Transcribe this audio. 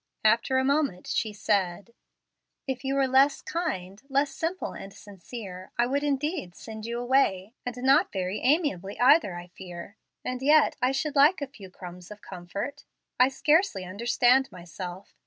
After a moment, she said: "If you were less kind, less simple and sincere, I would indeed send you away, and not very amiably either, I fear. And yet I should like a few crumbs of comfort. I scarcely understand myself.